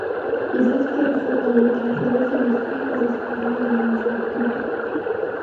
Изыцәгьарахар ҟалоит ашәарыцаҩ изқәикыз ацәҟьара ианизаақәмыршәа.